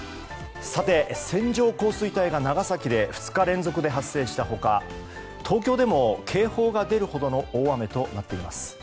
さて、線状降水帯が長崎で２日連続で発生した他東京でも警報が出るほどの大雨となっています。